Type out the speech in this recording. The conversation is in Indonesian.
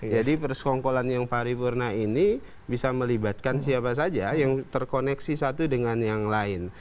jadi persekongkolan yang paripurna ini bisa melibatkan siapa saja yang terkoneksi satu dengan yang lain